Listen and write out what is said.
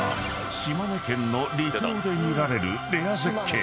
［島根県の離島で見られるレア絶景］